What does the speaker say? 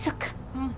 うん。